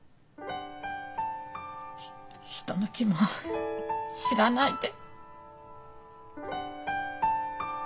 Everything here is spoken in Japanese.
ひ人の気も知らないで。